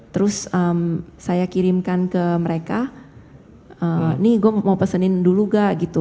terus saya kirimkan ke mereka nih gue mau pesenin dulu gak gitu